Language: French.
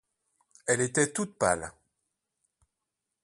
Elle était toute pâle.